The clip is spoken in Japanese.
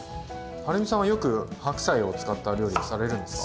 はるみさんはよく白菜を使った料理はされるんですか？